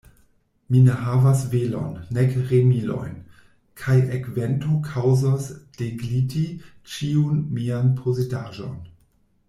Mi ne havas velon, nek remilojn; kaj ekvento kaŭzos degliti ĉiun mian posedaĵon.